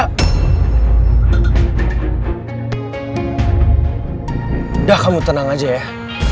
udah kamu tenang aja ya